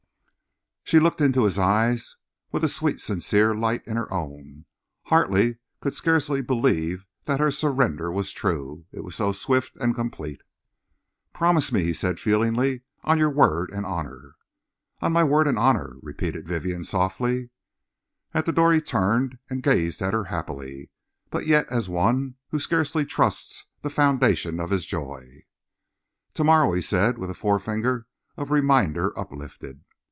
She looked into his eyes with a sweet, sincere light in her own. Hartley could scarcely believe that her surrender was true, it was so swift and complete. "Promise me," he said feelingly, "on your word and honour." "On my word and honour," repeated Vivienne, softly. At the door he turned and gazed at her happily, but yet as one who scarcely trusts the foundations of his joy. "To morrow," he said, with a forefinger of reminder uplifted.